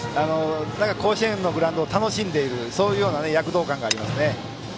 甲子園のグラウンドを楽しんでいるような躍動感がありますね。